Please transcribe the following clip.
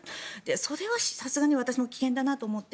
それはさすがに私も危険だなと思って